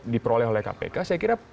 diperoleh oleh kpk saya kira